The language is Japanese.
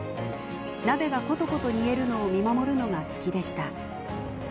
鍋がコトコト煮えるのを見守るのが好きでした。